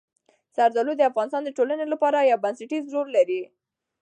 زردالو د افغانستان د ټولنې لپاره یو بنسټيز رول لري.